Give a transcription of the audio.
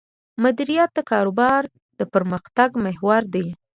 مدیریت د کاروبار د پرمختګ محور دی.